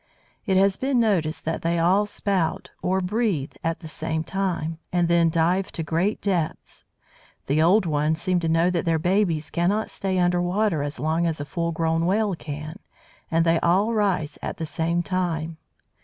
It has been noticed that they all spout, or breathe, at the same time, and then dive to great depths. The old ones seem to know that their babies cannot stay under water as long as a full grown Whale can, and they all rise at the same time.